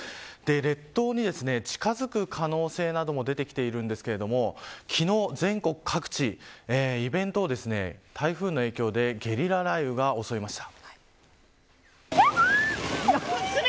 列島に近づく可能性なども出てきているんですけど昨日、全国各地、イベントを台風の影響でゲリラ雷雨が襲いました。